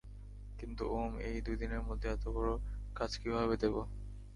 কিন্তু ওম, এই দুই দিনের মধ্যে এতবড় কাজ কিভাবে দেব?